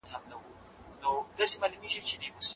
په روغتونونو کي باید ناروغانو ته د درملني ټول اسانتیاوې وي.